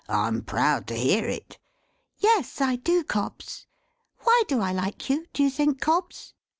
I'm proud to hear it." "Yes, I do, Cobbs. Why do I like you, do you think, Cobbs?"